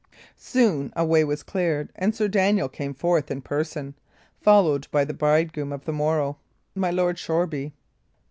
Soon a way was cleared, and Sir Daniel came forth in person, followed by the bridegroom of the morrow, my Lord Shoreby.